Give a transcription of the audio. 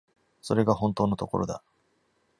それが本当のところだ。